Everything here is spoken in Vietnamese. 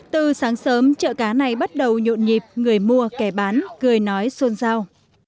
từ sáng sớm chợ cá này bắt đầu nhộn nhịp người mua kẻ bán cười nói xôn xao